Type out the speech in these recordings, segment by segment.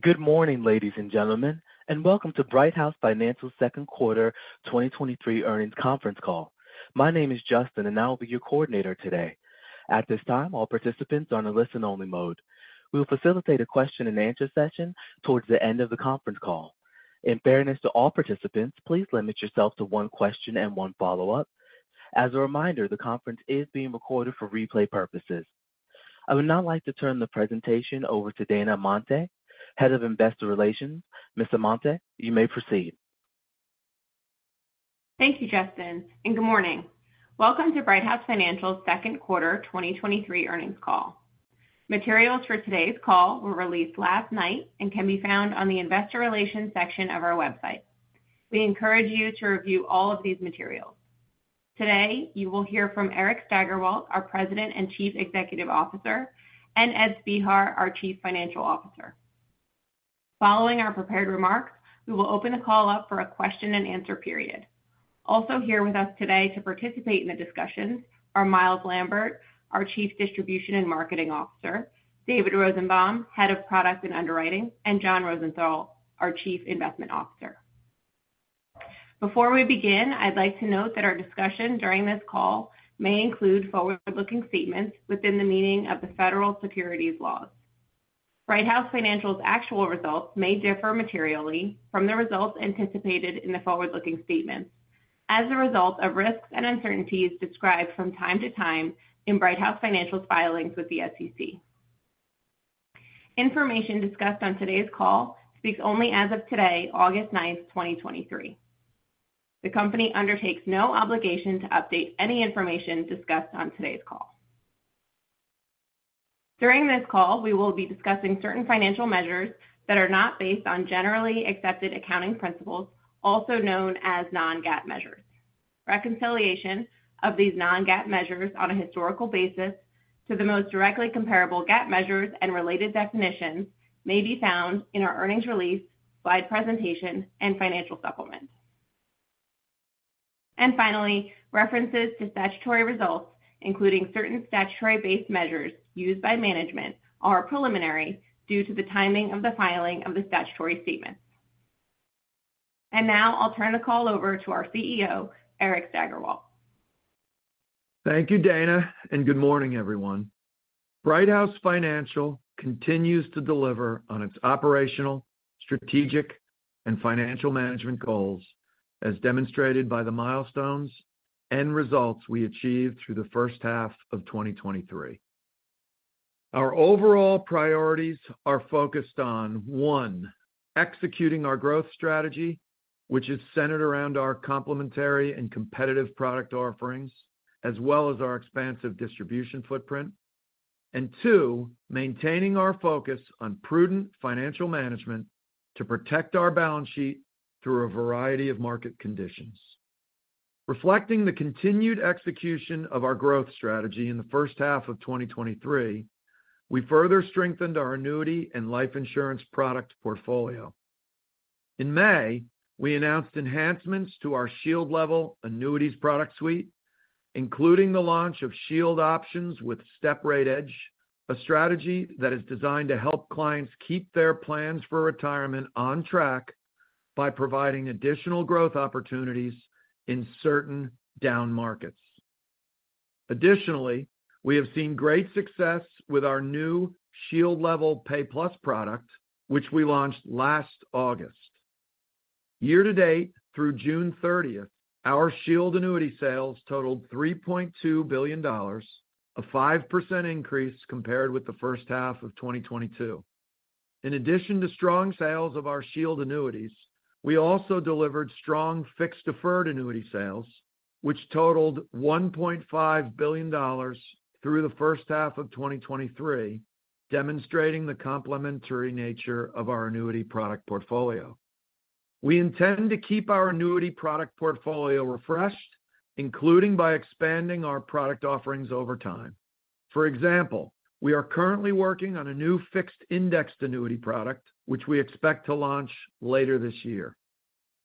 Good morning, ladies and gentlemen, and welcome to Brighthouse Financial's 2nd quarter 2023 earnings conference call. My name is Justin, and I will be your coordinator today. At this time, all participants are on a listen-only mode. We will facilitate a question-and-answer session towards the end of the conference call. In fairness to all participants, please limit yourself to one question and one follow-up. As a reminder, the conference is being recorded for replay purposes. I would now like to turn the presentation over to Dana Amante, Head of Investor Relations. Ms. Amante, you may proceed. Thank you, Justin. Good morning. Welcome to Brighthouse Financial's second quarter 2023 earnings call. Materials for today's call were released last night and can be found on the Investor Relations section of our website. We encourage you to review all of these materials. Today, you will hear from Eric Steigerwalt, our President and Chief Executive Officer, and Ed Spehar, our Chief Financial Officer. Following our prepared remarks, we will open the call up for a question-and-answer period. Also here with us today to participate in the discussions are Myles Lambert, our Chief Distribution and Marketing Officer, David Rosenbaum, Head of Product and Underwriting, and John Rosenthal, our Chief Investment Officer. Before we begin, I'd like to note that our discussion during this call may include forward-looking statements within the meaning of the federal securities laws. Brighthouse Financial's actual results may differ materially from the results anticipated in the forward-looking statements as a result of risks and uncertainties described from time to time in Brighthouse Financial's filings with the SEC. Information discussed on today's call speaks only as of today, August 9, 2023. The Company undertakes no obligation to update any information discussed on today's call. During this call, we will be discussing certain financial measures that are not based on generally accepted accounting principles, also known as non-GAAP measures. Reconciliation of these non-GAAP measures on a historical basis to the most directly comparable GAAP measures and related definitions may be found in our earnings release, slide presentation, and financial supplement. Finally, references to statutory results, including certain statutory-based measures used by management, are preliminary due to the timing of the filing of the statutory statements. Now I'll turn the call over to our CEO, Eric Steigerwalt. Thank you, Dana. Good morning, everyone. Brighthouse Financial continues to deliver on its operational, strategic, and financial management goals, as demonstrated by the milestones and results we achieved through the first half of 2023. Our overall priorities are focused on, 1, executing our growth strategy, which is centered around our complementary and competitive product offerings, as well as our expansive distribution footprint. 2, maintaining our focus on prudent financial management to protect our balance sheet through a variety of market conditions. Reflecting the continued execution of our growth strategy in the first half of 2023, we further strengthened our annuity and life insurance product portfolio. In May, we announced enhancements to our Shield Level annuities product suite, including the launch of Shield Options with Step Rate Edge, a strategy that is designed to help clients keep their plans for retirement on track by providing additional growth opportunities in certain down markets. Additionally, we have seen great success with our new Shield Level Pay Plus product, which we launched last August. Year to date, through June 30th, our Shield annuity sales totaled $3.2 billion, a 5% increase compared with the first half of 2022. In addition to strong sales of our Shield annuities, we also delivered strong fixed deferred annuity sales, which totaled $1.5 billion through the first half of 2023, demonstrating the complementary nature of our annuity product portfolio. We intend to keep our annuity product portfolio refreshed, including by expanding our product offerings over time. For example, we are currently working on a new fixed indexed annuity product, which we expect to launch later this year.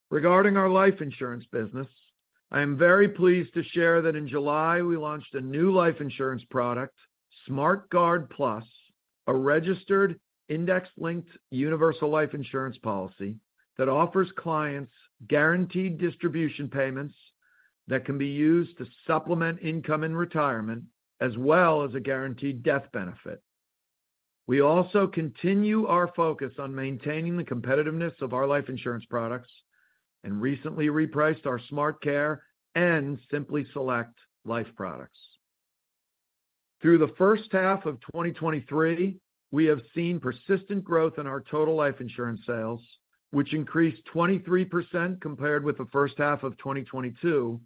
Regarding our life insurance business, I am very pleased to share that in July, we launched a new life insurance product, SmartGuard Plus, a registered index-linked universal life insurance policy that offers clients guaranteed distribution payments that can be used to supplement income in retirement, as well as a guaranteed death benefit. We also continue our focus on maintaining the competitiveness of our life insurance products and recently repriced our SmartCare and SimplySelect life products. Through the first half of 2023, we have seen persistent growth in our total life insurance sales, which increased 23% compared with the first half of 2022,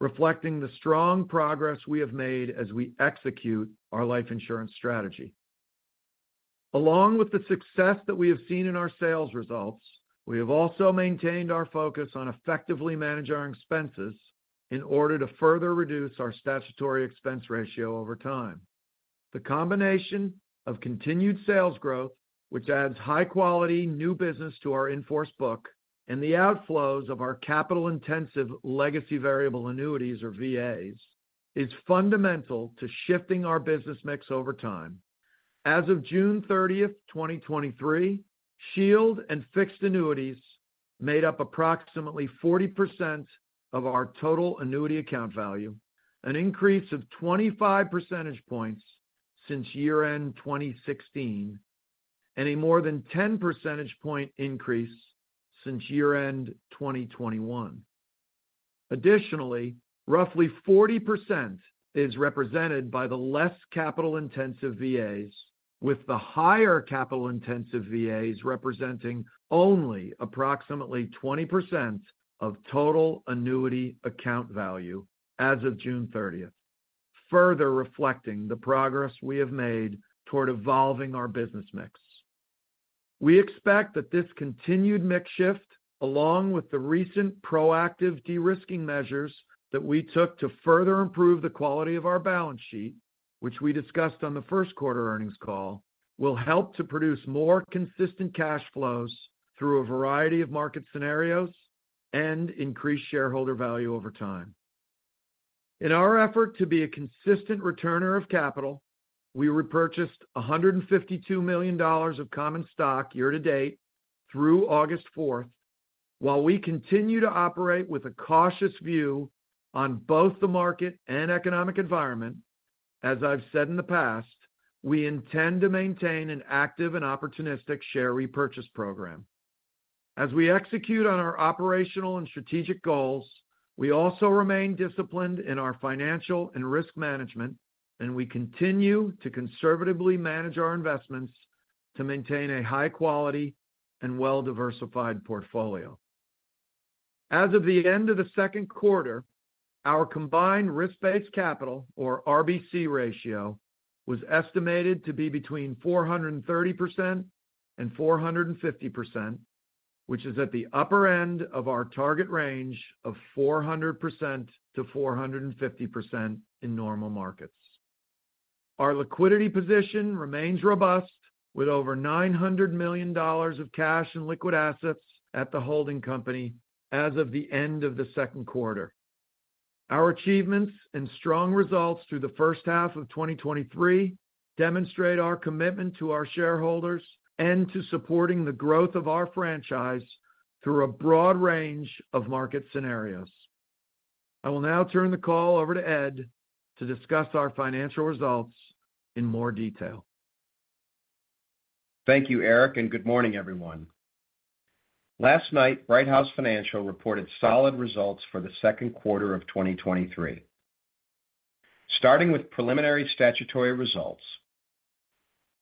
reflecting the strong progress we have made as we execute our life insurance strategy. Along with the success that we have seen in our sales results, we have also maintained our focus on effectively manage our expenses in order to further reduce our statutory expense ratio over time. The combination of continued sales growth, which adds high-quality new business to our in-force book and the outflows of our capital-intensive legacy Variable Annuities or VAs. is fundamental to shifting our business mix over time. As of June 30, 2023, Shield and fixed annuities made up approximately 40% of our total annuity account value, an increase of 25 percentage points since year-end 2016, and a more than 10 percentage point increase since year-end 2021. Additionally, roughly 40% is represented by the less capital-intensive VAs, with the higher capital-intensive VAs representing only approximately 20% of total annuity account value as of June 30th, further reflecting the progress we have made toward evolving our business mix. We expect that this continued mix shift, along with the recent proactive de-risking measures that we took to further improve the quality of our balance sheet, which we discussed on the first quarter earnings call, will help to produce more consistent cash flows through a variety of market scenarios and increase shareholder value over time. In our effort to be a consistent returner of capital, we repurchased $152 million of common stock year to date through August 4th. While we continue to operate with a cautious view on both the market and economic environment, as I've said in the past, we intend to maintain an active and opportunistic share repurchase program. As we execute on our operational and strategic goals, we also remain disciplined in our financial and risk management. We continue to conservatively manage our investments to maintain a high-quality and well-diversified portfolio. As of the end of the second quarter, our combined risk-based capital, or RBC ratio, was estimated to be between 430% and 450%, which is at the upper end of our target range of 400%–450% in normal markets. Our liquidity position remains robust, with over $900 million of cash and liquid assets at the holding company as of the end of the second quarter. Our achievements and strong results through the first half of 2023 demonstrate our commitment to our shareholders and to supporting the growth of our franchise through a broad range of market scenarios. I will now turn the call over to Ed to discuss our financial results in more detail. Thank you, Eric. Good morning, everyone. Last night, Brighthouse Financial reported solid results for the second quarter of 2023. Starting with preliminary statutory results,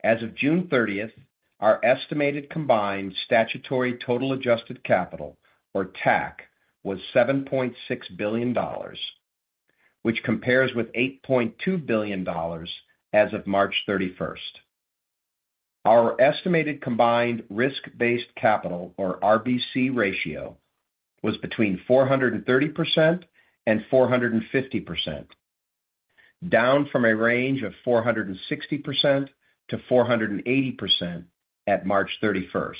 as of June 30th, our estimated combined statutory total adjusted capital, or TAC, was $7.6 billion, which compares with $8.2 billion as of March 31st. Our estimated combined risk-based capital, or RBC ratio, was between 430% and 450%, down from a range of 460%–480% at March 31st,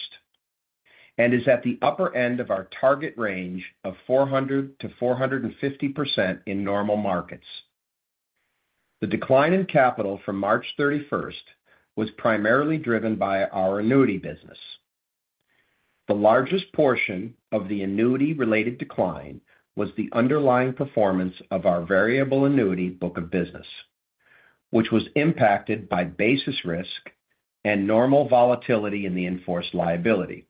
and is at the upper end of our target range of 400%–450% in normal markets. The decline in capital from March 31st was primarily driven by our annuity business. The largest portion of the annuity-related decline was the underlying performance of our variable annuity book of business, which was impacted by basis risk and normal volatility in the inforce-liability.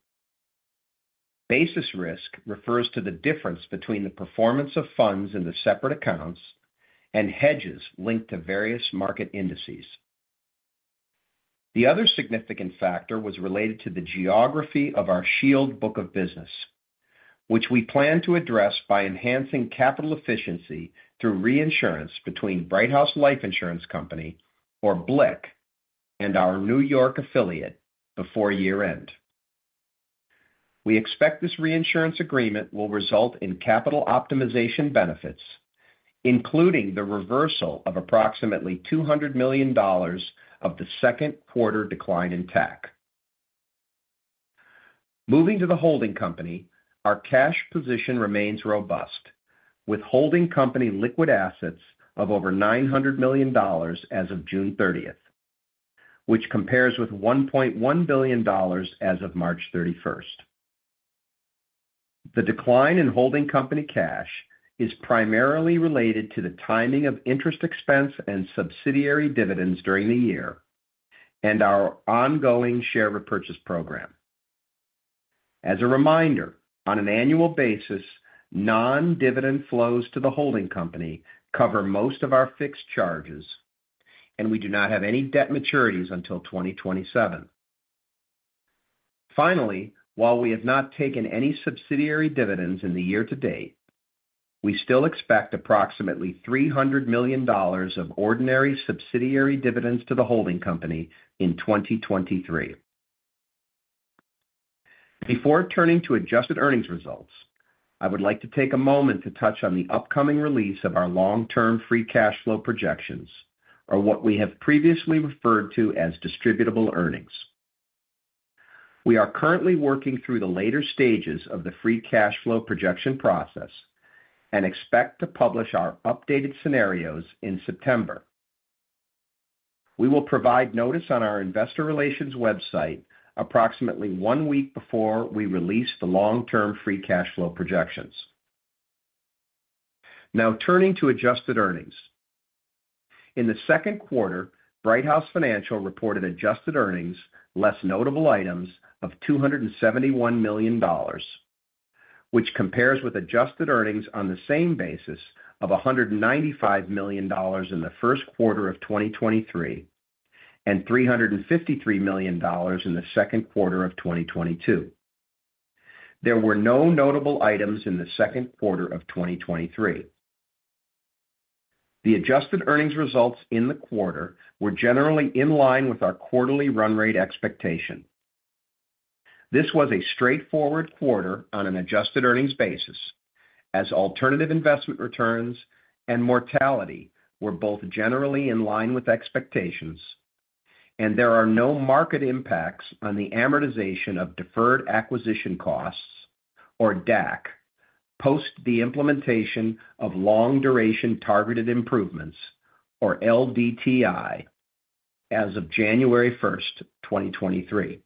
Basis risk refers to the difference between the performance of funds in the separate accounts and hedges linked to various market indices. The other significant factor was related to the geography of our Shield book of business, which we plan to address by enhancing capital efficiency through reinsurance between Brighthouse Life Insurance Company, or BLIC, and our New York affiliate before year-end. We expect this reinsurance agreement will result in capital optimization benefits, including the reversal of approximately $200 million of the second quarter decline in TAC. Moving to the holding company, our cash position remains robust, with holding company liquid assets of over $900 million as of June 30th, which compares with $1.1 billion as of March 31. The decline in holding company cash is primarily related to the timing of interest expense and subsidiary dividends during the year and our ongoing share repurchase program. As a reminder, on an annual basis, non-dividend flows to the holding company cover most of our fixed charges, and we do not have any debt maturities until 2027. While we have not taken any subsidiary dividends in the year to date, we still expect approximately $300 million of ordinary subsidiary dividends to the holding company in 2023. Before turning to adjusted earnings results, I would like to take a moment to touch on the upcoming release of our long-term free cash flow projections, or what we have previously referred to as distributable earnings. We are currently working through the later stages of the free cash flow projection process and expect to publish our updated scenarios in September. We will provide notice on our investor relations website approximately one week before we release the long-term free cash flow projections. Turning to adjusted earnings. In the second quarter, Brighthouse Financial reported adjusted earnings, less notable items, of $271 million, which compares with adjusted earnings on the same basis of $195 million in the first quarter of 2023, and $353 million in the second quarter of 2022. There were no notable items in the second quarter of 2023. The adjusted earnings results in the quarter were generally in line with our quarterly run rate expectation. This was a straightforward quarter on an adjusted earnings basis, as alternative investment returns and mortality were both generally in line with expectations. There are no market impacts on the amortization of deferred acquisition costs, or DAC, post the implementation of long duration targeted improvements, or LDTI, as of January 1, 2023.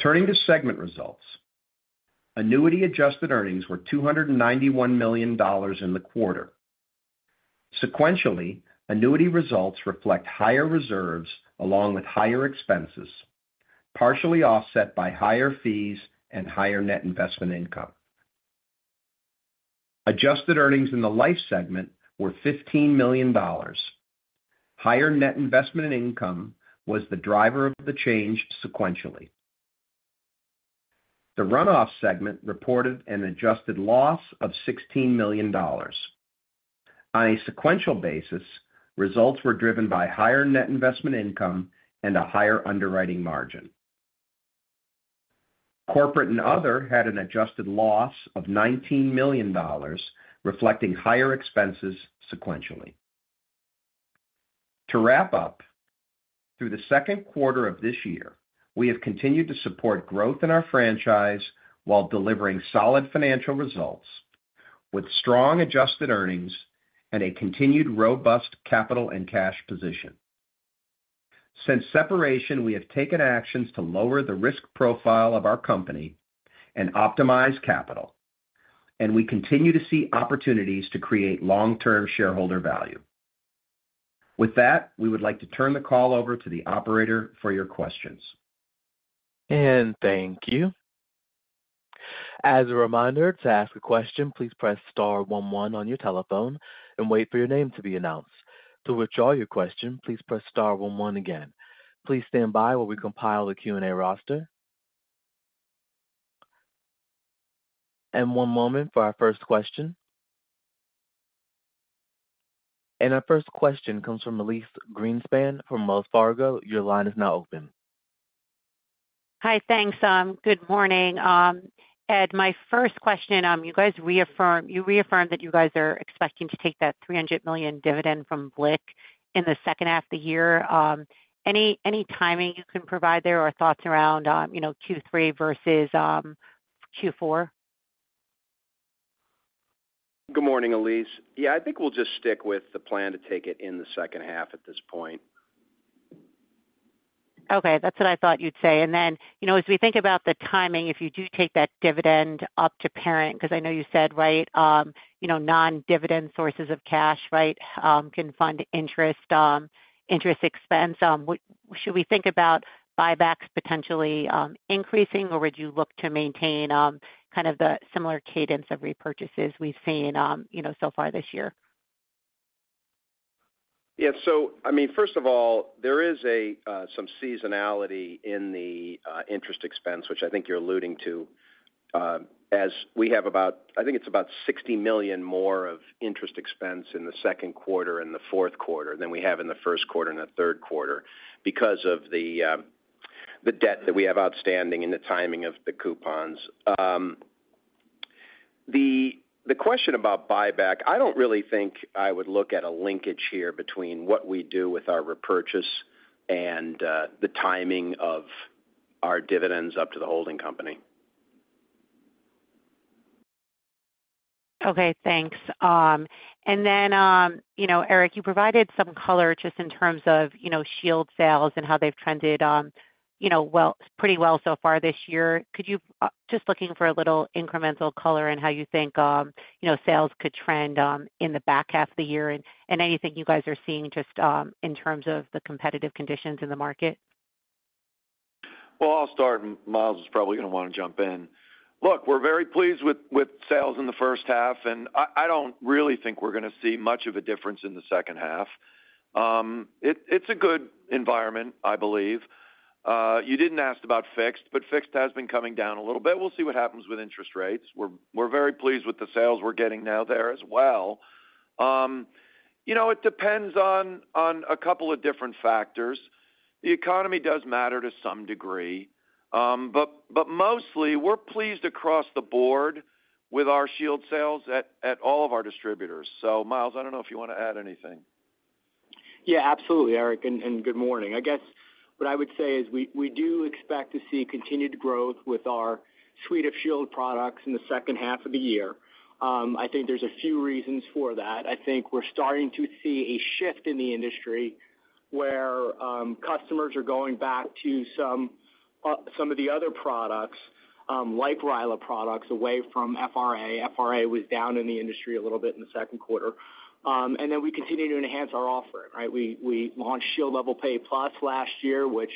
Turning to segment results. Annuity adjusted earnings were $291 million in the quarter. Sequentially, annuity results reflect higher reserves along with higher expenses, partially offset by higher fees and higher net investment income. Adjusted earnings in the life segment were $15 million. Higher net investment income was the driver of the change sequentially. The runoff segment reported an adjusted loss of $16 million. On a sequential basis, results were driven by higher net investment income and a higher underwriting margin. Corporate and other had an adjusted loss of $19 million, reflecting higher expenses sequentially. To wrap up, through the second quarter of this year, we have continued to support growth in our franchise while delivering solid financial results with strong adjusted earnings and a continued robust capital and cash position. Since separation, we have taken actions to lower the risk profile of our company and optimize capital, and we continue to see opportunities to create long-term shareholder value. With that, we would like to turn the call over to the operator for your questions. Thank you. As a reminder, to ask a question, please press star 11 on your telephone and wait for your name to be announced. To withdraw your question, please press star 11 again. Please stand by while we compile the Q&A roster. One moment for our first question. Our first question comes from Elyse Greenspan from Wells Fargo. Your line is now open. Hi, thanks. Good morning, Ed, my first question. You guys reaffirm-- you reaffirmed that you guys are expecting to take that $300 million dividend from BLIC in the second half of the year. Any, any timing you can provide there or thoughts around, you know, Q3 versus Q4? Good morning, Elyse. Yeah, I think we'll just stick with the plan to take it in the second half at this point. Okay, that's what I thought you'd say. Then, you know, as we think about the timing, if you do take that dividend up to parent, because I know you said, right, you know, non-dividend sources of cash, right, can fund interest, interest expense. Should we think about buybacks potentially increasing, or would you look to maintain kind of the similar cadence of repurchases we've seen, you know, so far this year? Yeah. I mean, first of all, there is some seasonality in the interest expense, which I think you're alluding to, as we have about, I think it's about $60 million more of interest expense in the second quarter and the fourth quarter than we have in the first quarter and the third quarter because of the debt that we have outstanding and the timing of the coupons. The, the question about buyback, I don't really think I would look at a linkage here between what we do with our repurchase and the timing of our dividends up to the holding company. Okay, thanks. Then, you know, Eric, you provided some color just in terms of, you know, Shield sales and how they've trended, you know, well, pretty well so far this year. Could you, just looking for a little incremental color in how you think, you know, sales could trend, in the back half of the year, and anything you guys are seeing just, in terms of the competitive conditions in the market? Well, I'll start, Myles is probably going to want to jump in. Look, we're very pleased with, with sales in the first half, I, I don't really think we're going to see much of a difference in the second half. It's a good environment, I believe. You didn't ask about fixed, fixed has been coming down a little bit. We'll see what happens with interest rates. We're, we're very pleased with the sales we're getting now there as well. You know, it depends on, on a couple of different factors. The economy does matter to some degree, mostly we're pleased across the board with our Shield sales at, at all of our distributors. Myles, I don't know if you want to add anything. Yeah, absolutely, Eric, and good morning. I guess what I would say is we, we do expect to see continued growth with our suite of Shield products in the second half of the year. I think there's a few reasons for that. I think we're starting to see a shift in the industry where customers are going back to some of the other products, like RILA products, away from FRAs. FRAs were down in the industry a little bit in the second quarter. Then we continue to enhance our offering, right? We, we launched Shield Level Pay Plus last year, which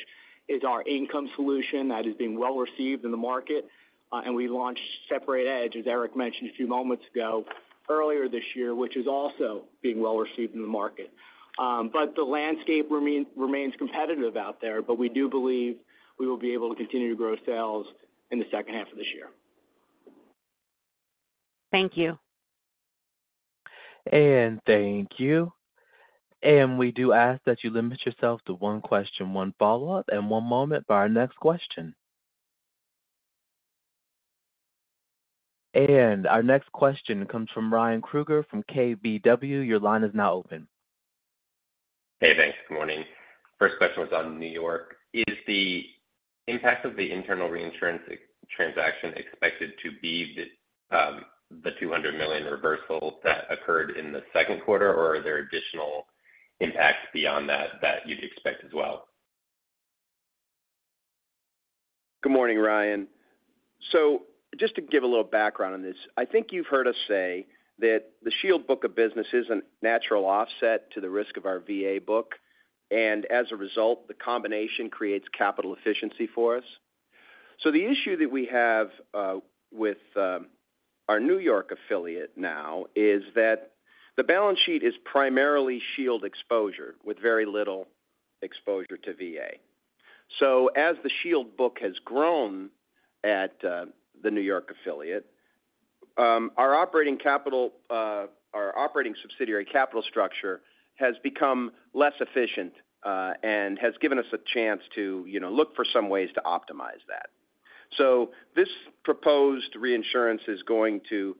is our income solution that is being well received in the market. And we launched Step Rate Edge, as Eric mentioned a few moments ago, earlier this year, which is also being well received in the market. The landscape remains competitive out there, but we do believe we will be able to continue to grow sales in the second half of this year. Thank you. Thank you. We do ask that you limit yourself to one question, one follow-up, and one moment for our next question. Our next question comes from Ryan Krueger from KBW. Your line is now open. Hey, thanks. Good morning. First question was on New York. Is the impact of the internal reinsurance transaction expected to be the $200 million reversal that occurred in the second quarter, or are there additional impacts beyond that, that you'd expect as well? Good morning, Ryan. Just to give a little background on this, I think you've heard us say that the Shield book of business is a natural offset to the risk of our VA book, and as a result, the combination creates capital efficiency for us. The issue that we have with our New York affiliate now is that the balance sheet is primarily Shield exposure with very little exposure to VA. As the Shield book has grown at the New York affiliate, our operating capital, our operating subsidiary capital structure has become less efficient, and has given us a chance to, you know, look for some ways to optimize that. This proposed reinsurance is going to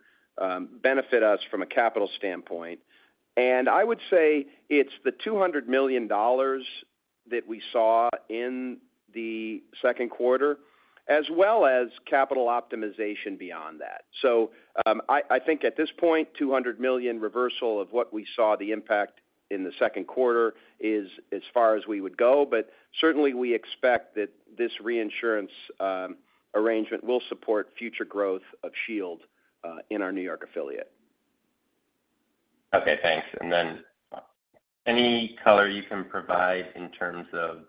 benefit us from a capital standpoint, and I would say it's the $200 million that we saw in the second quarter, as well as capital optimization beyond that. I think at this point, $200 million reversal of what we saw the impact in the second quarter is as far as we would go, but certainly, we expect that this reinsurance arrangement will support future growth of Shield in our New York affiliate. Okay, thanks. Any color you can provide in terms of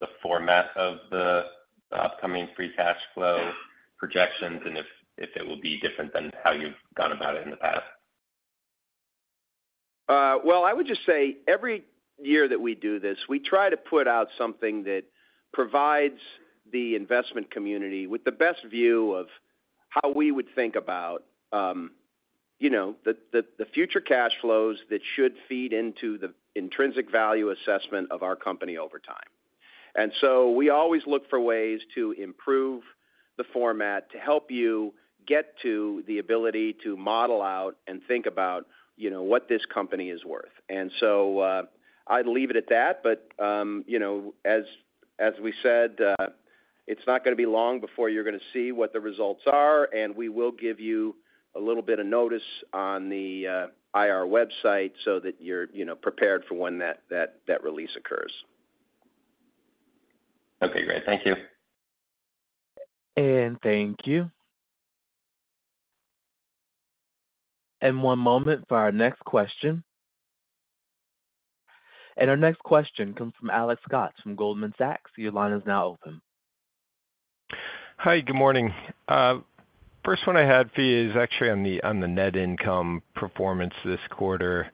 the format of the upcoming free cash flow projections and if it will be different than how you've gone about it in the past? Well, I would just say every year that we do this, we try to put out something that provides the investment community with the best view of how we would think about, you know, the, the, the future cash flows that should feed into the intrinsic value assessment of our company over time. We always look for ways to improve the format, to help you get to the ability to model out and think about, you know, what this company is worth. I'd leave it at that, but, you know, as, as we said, it's not going to be long before you're going to see what the results are, and we will give you a little bit of notice on the IR website so that you're, you know, prepared for when that, that, that release occurs. Okay, great. Thank you. Thank you. One moment for our next question. Our next question comes from Alex Scott from Goldman Sachs. Your line is now open. Hi, good morning. First one I had for you is actually on the, on the net income performance this quarter.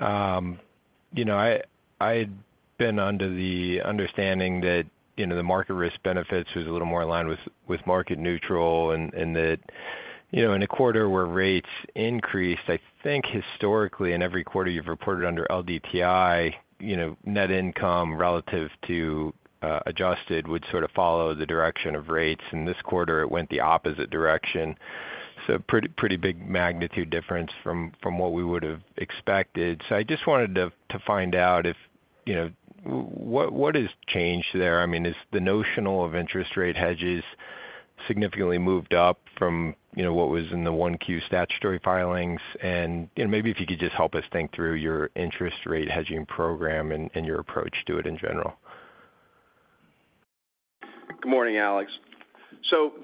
You know, I, I'd been under the understanding that, you know, the Market Risk Benefits was a little more aligned with, with market neutral, and, and that, you know, in a quarter where rates increased, I think historically, in every quarter you've reported under LDTI, you know, net income relative to adjusted would sort of follow the direction of rates, and this quarter it went the opposite direction. Pretty, pretty big magnitude difference from, from what we would have expected. I just wanted to, to find out if, you know, what, what has changed there? I mean, is the notional of interest rate hedges significantly moved up from, you know, what was in the one Q statutory filings? You know, maybe if you could just help us think through your interest rate hedging program and, and your approach to it in general. Good morning, Alex.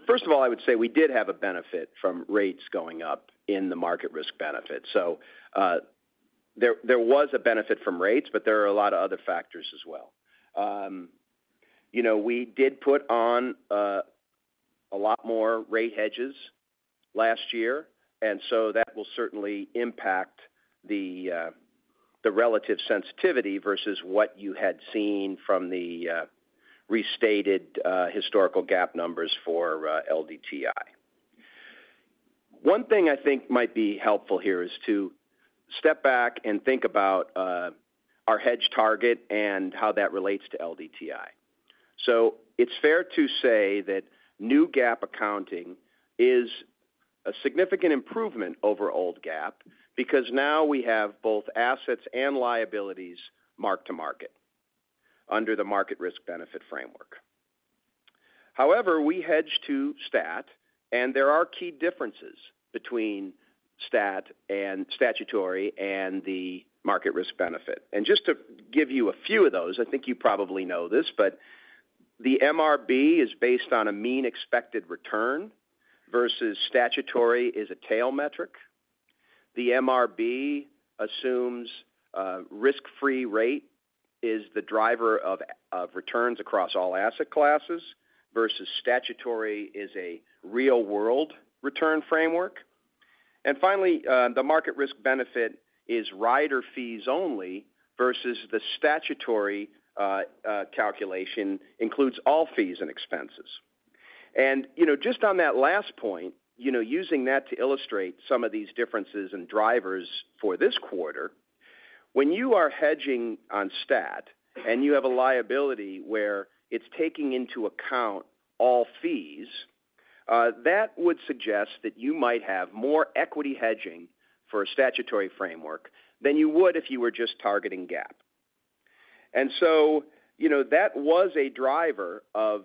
First of all, I would say we did have a benefit from rates going up in the Market Risk Benefit. There, there was a benefit from rates, but there are a lot of other factors as well. You know, we did put on a lot more rate hedges last year, and so that will certainly impact the relative sensitivity versus what you had seen from the restated historical GAAP numbers for LDTI. It's fair to say that new GAAP accounting is a significant improvement over old GAAP, because now we have both assets and liabilities marked to market under the Market Risk Benefit framework. However, we hedge to STAT. There are key differences between STAT and statutory and the Market Risk Benefit. Just to give you a few of those, I think you probably know this, but the MRB is based on a mean expected return versus statutory is a tail metric. The MRB assumes a risk-free rate is the driver of returns across all asset classes, versus statutory is a real-world return framework. Finally, the Market Risk Benefit is rider fees only, versus the statutory calculation includes all fees and expenses. You know, just on that last point, you know, using that to illustrate some of these differences in drivers for this quarter, when you are hedging on STAT and you have a liability where it's taking into account all fees, that would suggest that you might have more equity hedging for a statutory framework than you would if you were just targeting GAAP. You know, that was a driver of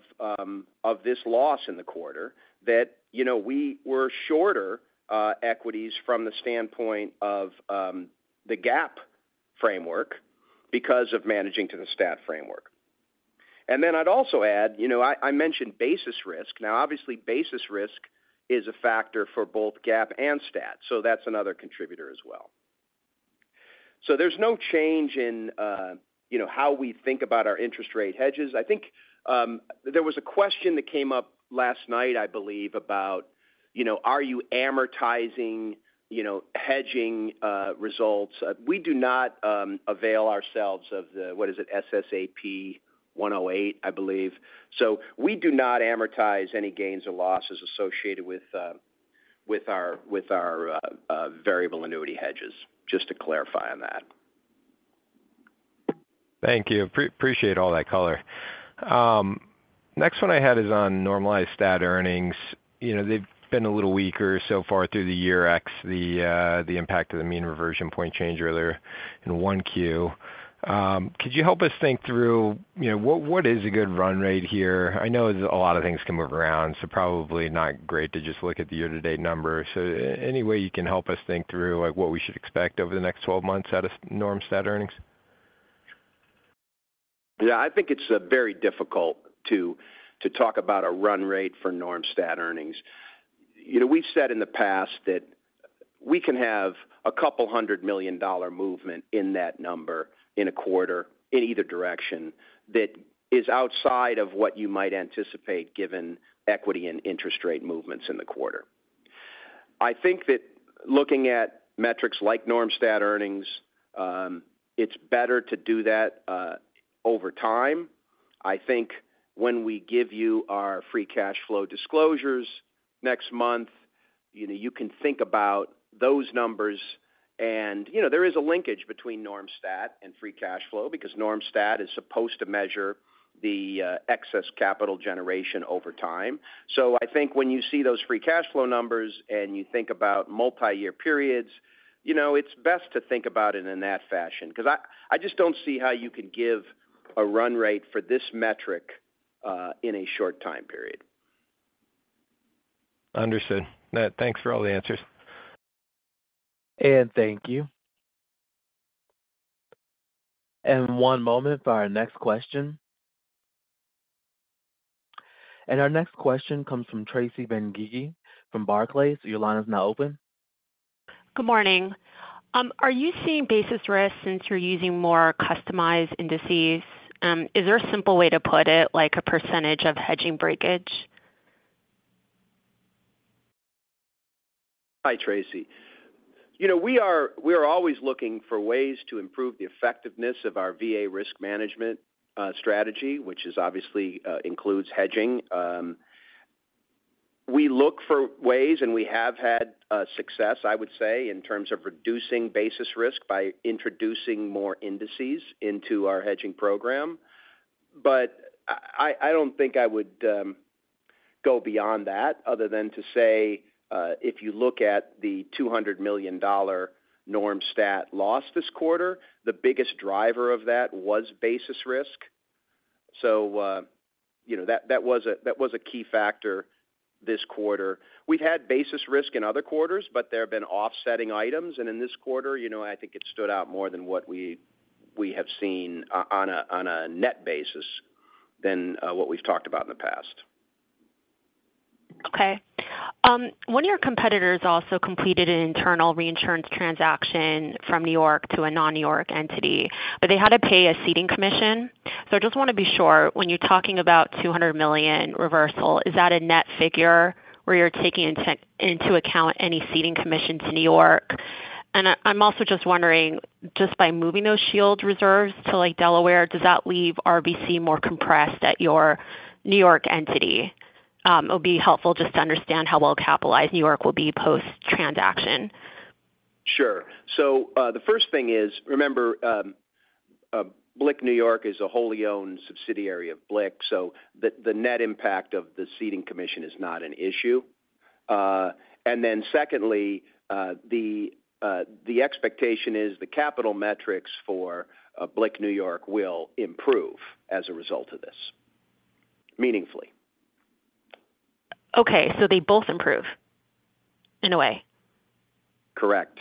this loss in the quarter that, you know, we were shorter equities from the standpoint of the GAAP framework because of managing to the STAT framework. I'd also add, you know, I, I mentioned basis risk. Now, obviously, basis risk is a factor for both GAAP and STAT, so that's another contributor as well. There's no change in, you know, how we think about our interest rate hedges. I think, there was a question that came up last night, I believe, about, you know, are you amortizing, you know, hedging, results? We do not, avail ourselves of the, what is it? SSAP 108, I believe. We do not amortize any gains or losses associated with, with our, with our, variable annuity hedges, just to clarify on that. Thank you. Appreciate all that color. Next one I had is on Normalized STAT earnings. You know, they've been a little weaker so far through the year, ex the impact of the mean reversion point change earlier in 1Q. Could you help us think through, you know, what, what is a good run rate here? I know a lot of things can move around, so probably not great to just look at the year-to-date number. So any way you can help us think through, like, what we should expect over the next 12 months out of Normalized Statutory earnings? Yeah, I think it's very difficult to, to talk about a run rate for Normalized Statutory earnings. You know, we've said in the past that we can have a couple hundred million dollar movement in that number in a quarter, in either direction, that is outside of what you might anticipate, given equity and interest rate movements in the quarter. I think that looking at metrics like Normalized Statutory earnings, it's better to do that over time. I think when we give you our free cash flow disclosures next month, you know, you can think about those numbers. You know, there is a linkage between Normalized Statutory and free cash flow because Normalized Statutory is supposed to measure the excess capital generation over time. I think when you see those free cash flow numbers and you think about multiyear periods, you know, it's best to think about it in that fashion, because I, I just don't see how you could give a run rate for this metric in a short time period. Understood. Matt, thanks for all the answers. Thank you. One moment for our next question. Our next question comes from Tracy Benguigui from Barclays. Your line is now open. Good morning. Are you seeing basis risk since you're using more customized indices? Is there a simple way to put it, like a percentage of hedging breakage? Hi, Tracy. You know, we are, we are always looking for ways to improve the effectiveness of our VA risk management strategy, which is obviously includes hedging. We look for ways, and we have had success, I would say, in terms of reducing basis risk by introducing more indices into our hedging program. I, I don't think I would go beyond that other than to say, if you look at the $200 million Normalized Statutory loss this quarter, the biggest driver of that was basis risk. You know, that, that was a, that was a key factor this quarter. We've had basis risk in other quarters, but there have been offsetting items. In this quarter, you know, I think it stood out more than what we, we have seen on a, on a net basis than what we've talked about in the past. One of your competitors also completed an internal reinsurance transaction from New York to a non-New York entity, but they had to pay a ceding commission. I just want to be sure, when you're talking about $200 million reversal, is that a net figure where you're taking into account any ceding commission to New York? I'm also just wondering, just by moving those Shield reserves to, like, Delaware, does that leave RBC more compressed at your New York entity? It'll be helpful just to understand how well-capitalized New York will be post-transaction. Sure. The first thing is, remember, BLIC New York is a wholly owned subsidiary of BLIC, so the, the net impact of the ceding commission is not an issue. Secondly, the expectation is the capital metrics for BLIC New York will improve as a result of this, meaningfully. Okay, they both improve in a way? Correct.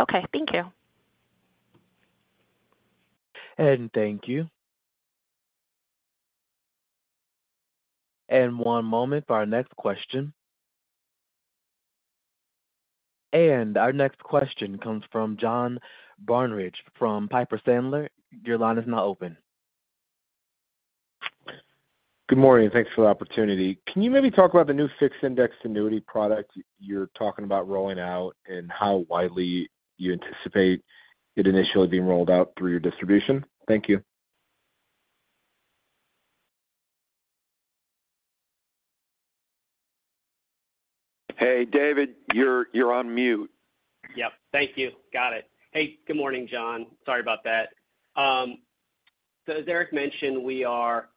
Okay, thank you. Thank you. One moment for our next question. Our next question comes from John Barnidge from Piper Sandler. Your line is now open. Good morning, and thanks for the opportunity. Can you maybe talk about the new fixed indexed annuity product you're talking about rolling out and how widely you anticipate it initially being rolled out through your distribution? Thank you. Hey, David, you're, you're on mute. Yep. Thank you. Got it. Hey, good morning, John. Sorry about that. As Eric mentioned, we are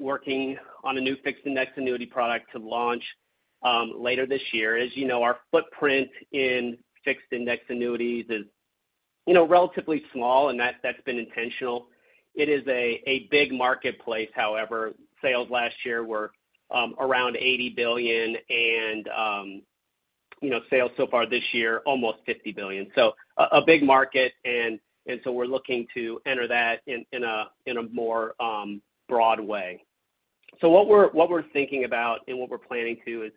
working on a new fixed indexed annuity product to launch later this year. As you know, our footprint in fixed indexed annuities is, you know, relatively small, and that, that's been intentional. It is a, a big marketplace however. Sales last year were around $80 billion and, you know, sales so far this year, almost $50 billion. A big market and, and so we're looking to enter that in, in a, in a more broad way. What we're, what we're thinking about and what we're planning is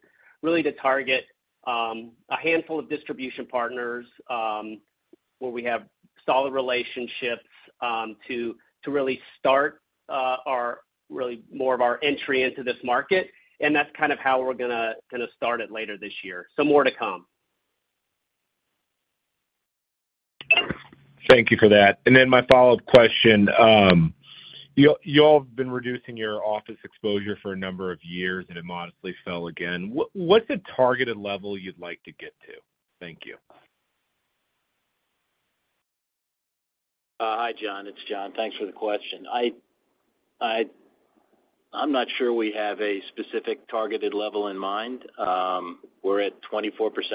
to target a handful of distribution partners where we have solid relationships to, to really start our really more of our entry into this market, and that's kind of how we're gonna, gonna start it later this year. More to come. Thank you for that. My follow-up question. y'all have been reducing your office exposure for a number of years, and it modestly fell again. What, what's the targeted level you'd like to get to? Thank you. Hi, John, it's John. Thanks for the question. I, I, I'm not sure we have a specific targeted level in mind. We're at 24%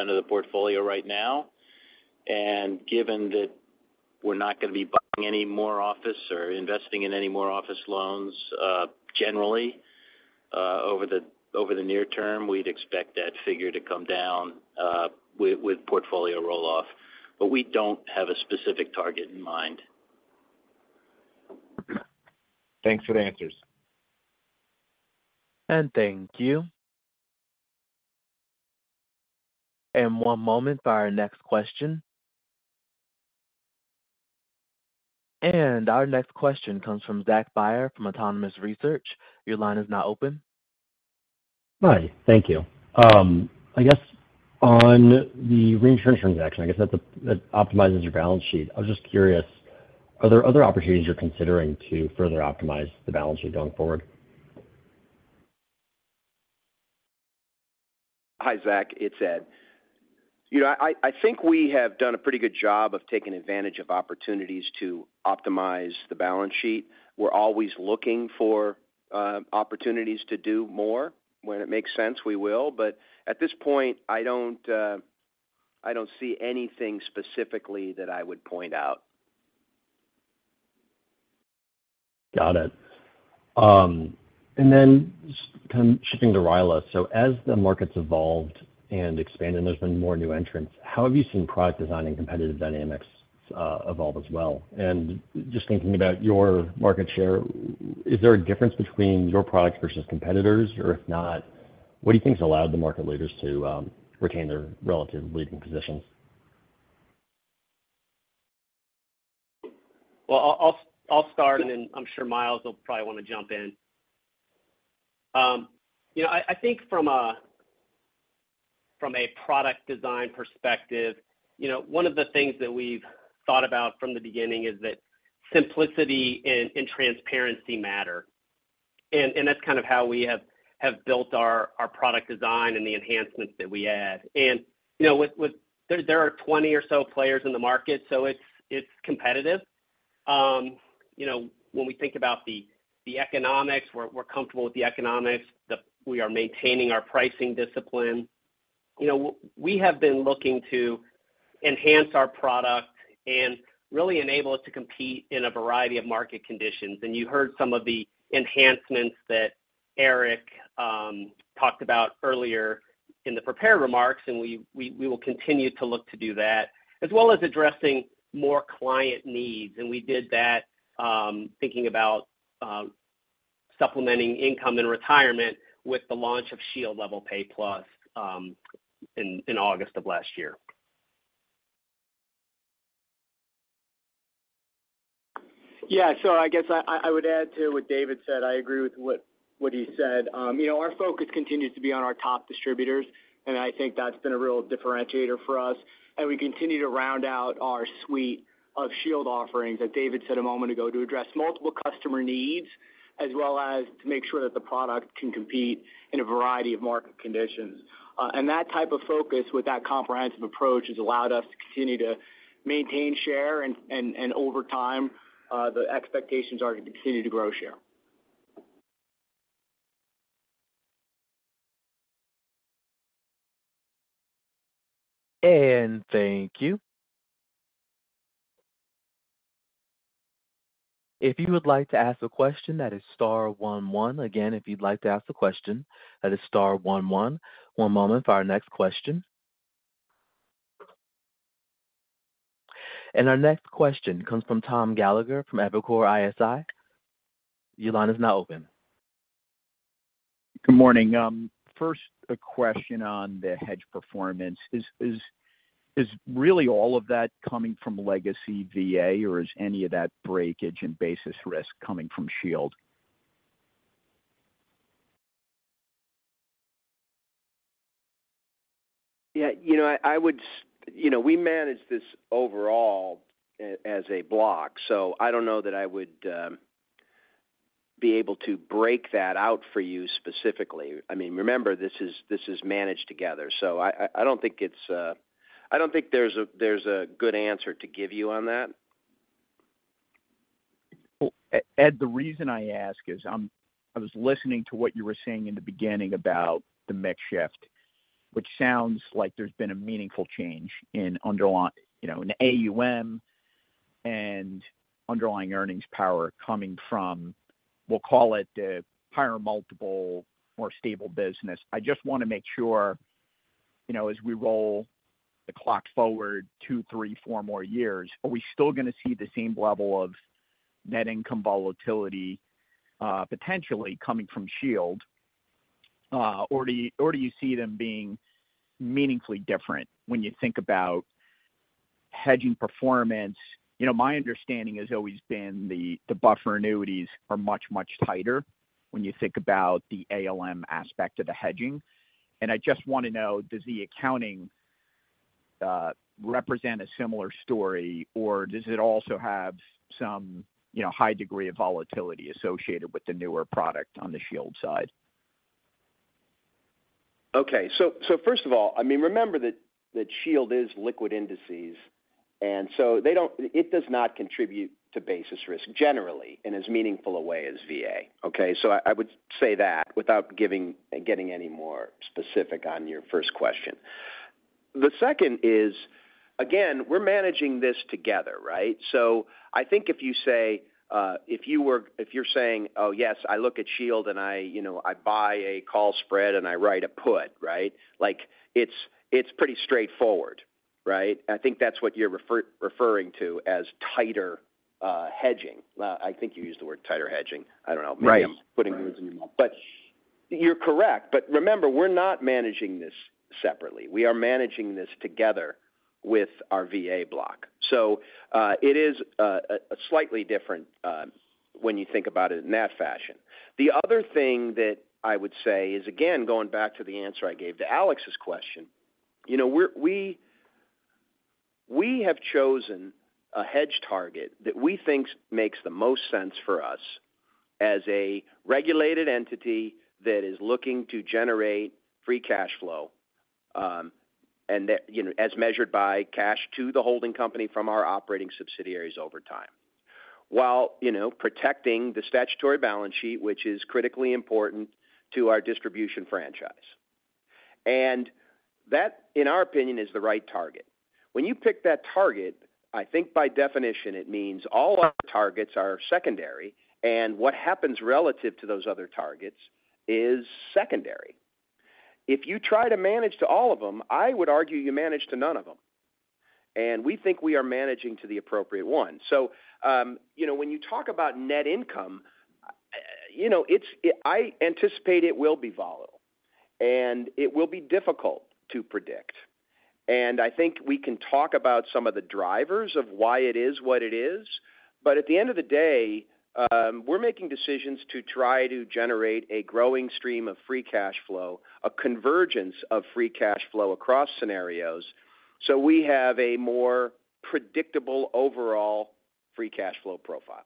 of the portfolio right now, and given that we're not going to be buying any more office or investing in any more office loans, generally, over the, over the near term, we'd expect that figure to come down, with, with portfolio roll-off. We don't have a specific target in mind. Thanks for the answers. Thank you. One moment for our next question. Our next question comes from Zachary Byer from Autonomou Research. Your line is now open. Hi, thank you. I guess on the reinsurance transaction, I guess that, that optimizes your balance sheet. I was just curious, are there other opportunities you're considering to further optimize the balance sheet going forward? Hi, Zach, it's Ed. You know, I think we have done a pretty good job of taking advantage of opportunities to optimize the balance sheet. We're always looking for opportunities to do more. When it makes sense, we will, but at this point, I don't, I don't see anything specifically that I would point out. Got it. Then kind of shifting to RILA. As the market's evolved and expanded, and there's been more new entrants, how have you seen product design and competitive dynamics evolve as well? Just thinking about your market share, is there a difference between your products versus competitors? If not, what do you think has allowed the market leaders to retain their relative leading positions? Well, I'll, I'll start, and then I'm sure Myles will probably want to jump in. You know I, I think from a, from a product design perspective, you know, one of the things that we've thought about from the beginning is that simplicity and, and transparency matter. that's kind of how we have, have built our, our product design and the enhancements that we add. you know, with there, there are 20 or so players in the market, so it's, it's competitive. you know, when we think about the, the economics, we're, we're comfortable with the economics. We are maintaining our pricing discipline. You know, we have been looking to enhance our product and really enable us to compete in a variety of market conditions. You heard some of the enhancements that Eric talked about earlier in the prepared remarks, and we, we, we will continue to look to do that, as well as addressing more client needs. We did that, thinking about supplementing income in retirement with the launch of Shield Level Pay Plus, in, in August of last year. Yeah. I guess I would add to what David said. I agree with what he said. You know, our focus continues to be on our top distributors, and I think that's been a real differentiator for us.... and we continue to round out our suite of Shield offerings, as David said a moment ago, to address multiple customer needs, as well as to make sure that the product can compete in a variety of market conditions. That type of focus with that comprehensive approach has allowed us to continue to maintain share, and over time, the expectations are to continue to grow share. Thank you. If you would like to ask a question, that is star 11. Again, if you'd like to ask a question, that is star 11. One moment for our next question. Our next question comes from Tom Gallagher from Evercore ISI. Your line is now open. Good morning. First, a question on the hedge performance. Is really all of that coming from legacy VA, or is any of that breakage and basis risk coming from Shield? Yeah, you know, I would, you know,, we manage this overall as a block, so I don't know that I would be able to break that out for you specifically. I mean, remember, this is, this is managed together, so I, I, I don't think it's I don't think there's a, there's a good answer to give you on that. Well, Ed, the reason I ask is, I was listening to what you were saying in the beginning about the mix shift, which sounds like there's been a meaningful change in underlying, you know, in AUM and underlying earnings power coming from, we'll call it the higher multiple, more stable business. I just want to make sure, you know, as we roll the clock forward two, three, four more years, are we still going to see the same level of net income volatility, potentially coming from Shield? Or do you see them being meaningfully different when you think about hedging performance? You know, my understanding has always been the, the buffer annuities are much, much tighter when you think about the ALM aspect of the hedging. I just want to know, does the accounting represent a similar story, or does it also have some, you know, high degree of volatility associated with the newer product on the Shield side? Okay. First of all, I mean, remember that Shield is liquid indices, and so it does not contribute to basis risk generally in as meaningful a way as VA. Okay? I would say that without getting any more specific on your first question. The second is, again, we're managing this together, right? I think if you say, if you're saying, "Oh, yes, I look at Shield, and I, you know, I buy a call spread, and I write a put," right? Like, it's pretty straightforward, right? I think that's what you're referring to as tighter hedging. I think you used the word tighter hedging. I don't know. Right. Maybe I'm putting words in your mouth. You're correct. Remember, we're not managing this separately. We are managing this together with our VA block. It is slightly different when you think about it in that fashion. The other thing that I would say is, again, going back to the answer I gave to Alex's question, you know, we're, we, we have chosen a hedge target that we think makes the most sense for us as a regulated entity that is looking to generate free cash flow, and that, you know, as measured by cash to the holding company from our operating subsidiaries over time, while, you know, protecting the statutory balance sheet, which is critically important to our distribution franchise. That, in our opinion, is the right target. When you pick that target, I think by definition, it means all our targets are secondary, and what happens relative to those other targets is secondary. If you try to manage to all of them, I would argue you manage to none of them, and we think we are managing to the appropriate one. You know, when you talk about net income, you know, I anticipate it will be volatile, and it will be difficult to predict. I think we can talk about some of the drivers of why it is what it is. At the end of the day, we're making decisions to try to generate a growing stream of free cash flow, a convergence of free cash flow across scenarios, so we have a more predictable overall free cash flow profile.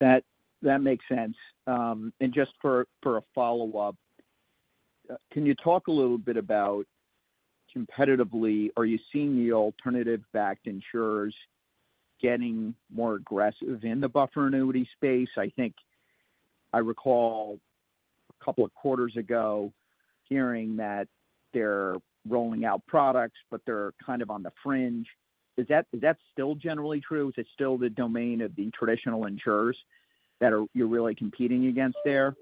That, that makes sense. Just for, for a follow-up, can you talk a little bit about competitively, are you seeing the alternative-backed insurers getting more aggressive in the buffer annuity space? I think I recall a couple of quarters ago hearing that they're rolling out products, but they're kind of on the fringe. Is that, is that still generally true? Is it still the domain of the traditional insurers that are you really competing against there?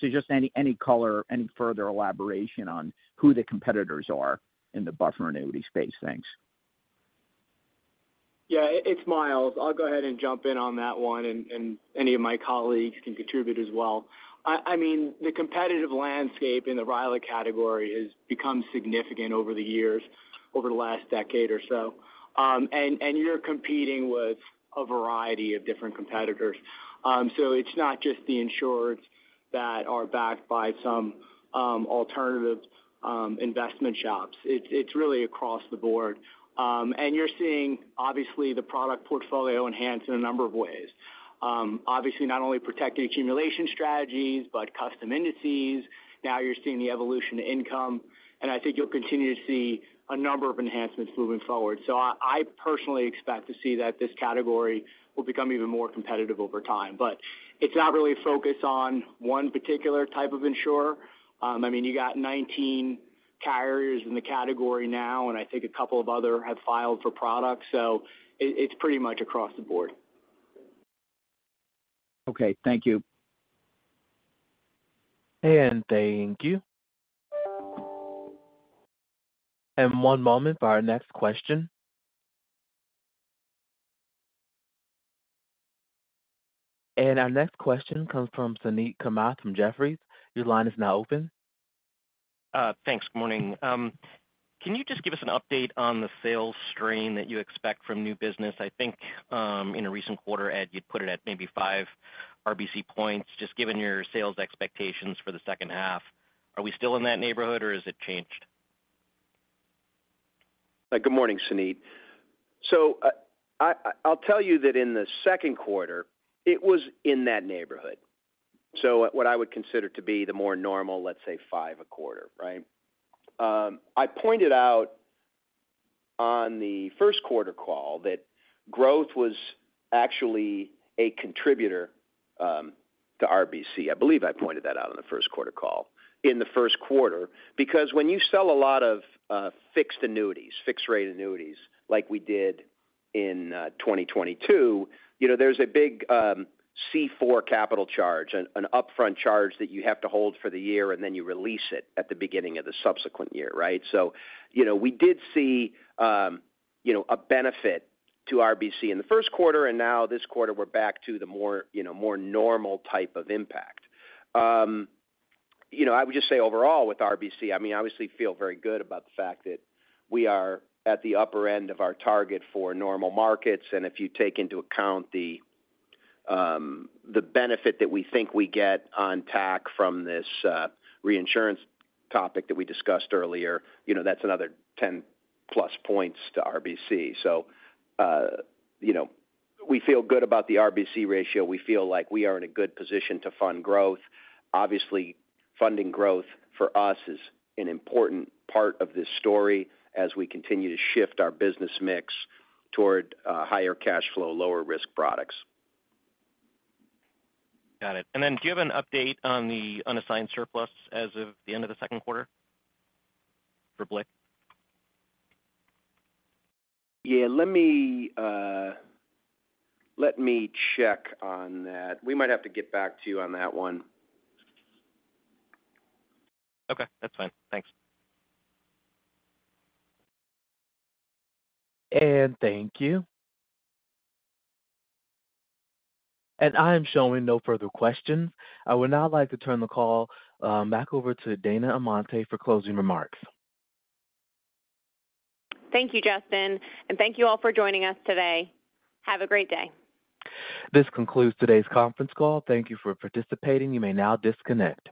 Just any, any color, any further elaboration on who the competitors are in the buffer annuity space. Thanks. Yeah, it's Myles. I'll go ahead and jump in on that one, and any of my colleagues can contribute as well. I mean, the competitive landscape in the RILA category has become significant over the years... over the last decade or so. You're competing with a variety of different competitors. It's not just the insurers that are backed by some alternative investment shops. It's, it's really across the board. You're seeing, obviously, the product portfolio enhanced in a number of ways. Obviously, not only protected accumulation strategies, but custom indices. Now you're seeing the evolution to income, and I think you'll continue to see a number of enhancements moving forward. I, I personally expect to see that this category will become even more competitive over time. It's not really a focus on one particular type of insurer. I mean, you got 19 carriers in the category now, and I think a couple of others have filed for products, so it, it's pretty much across the board. Okay, thank you. Thank you. One moment for our next question. Our next question comes from Suneet Kamath from Jefferies. Your line is now open. Thanks. Good morning. Can you just give us an update on the sales strain that you expect from new business? I think, in a recent quarter, Ed, you'd put it at maybe five RBC points, just given your sales expectations for the second half. Are we still in that neighborhood, or has it changed? Good morning, Suneet. I, I'll tell you that in the second quarter, it was in that neighborhood. So what I would consider to be the more normal, let's say, 5 a quarter, right? I pointed out on the first quarter call that growth was actually a contributor to RBC. I believe I pointed that out on the first quarter call, in the first quarter, because when you sell a lot of fixed fixed rate annuities, like we did in 2022, you know, there's a big C4 capital charge, an upfront charge that you have to hold for the year, and then you release it at the beginning of the subsequent year, right? You know, we did see, you know, a benefit to RBC in the first quarter, and now this quarter, we're back to the more, you know, more normal type of impact. You know, I would just say overall with RBC, I mean, obviously feel very good about the fact that we are at the upper end of our target for normal markets, and if you take into account the, the benefit that we think we get on TAC from this, Reinsurance transaction that we discussed earlier, you know, that's another 10 plus points to RBC. We feel good about the RBC ratio. We feel like we are in a good position to fund growth. Obviously, funding growth for us is an important part of this story as we continue to shift our business mix toward higher cash flow, lower risk products. Got it. Then do you have an update on the unassigned surplus as of the end of the second quarter for BLIC? Yeah, let me, let me check on that. We might have to get back to you on that one. Okay, that's fine. Thanks. Thank you. I am showing no further questions. I would now like to turn the call back over to Dana Amante for closing remarks. Thank you, Justin. Thank you all for joining us today. Have a great day. This concludes today's conference call. Thank you for participating. You may now disconnect.